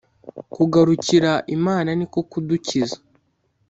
Kugarukira Imana ni ko kudukiza